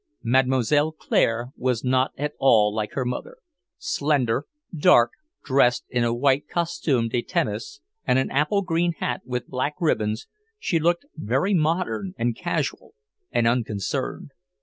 Mademoiselle Claire was not at all like her mother; slender, dark, dressed in a white costume de tennis and an apple green hat with black ribbons, she looked very modern and casual and unconcerned.